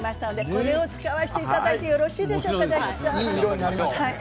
こちらを使わせていただいてもよろしいでしょうか？